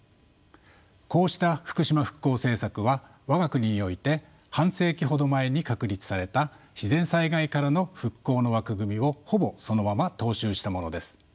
こうした福島復興政策は我が国において半世紀ほど前に確立された自然災害からの復興の枠組みをほぼそのまま踏襲したものです。